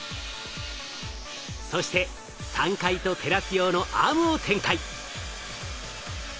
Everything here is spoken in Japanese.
そして３階とテラス用のアームを展開。